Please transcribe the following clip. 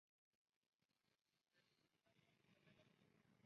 Se volvió un estándar de afinación bastante popular incluso fuera de Francia.